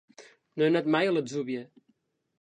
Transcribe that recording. No he anat mai a l'Atzúbia.